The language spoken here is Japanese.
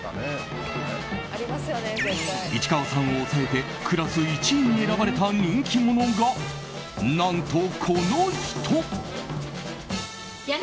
市川さんを抑えてクラス１位に選ばれた人気者が何と、この人！